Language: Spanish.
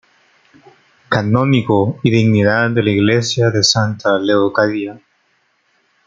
Canónigo y dignidad de la iglesia de Santa Leocadia.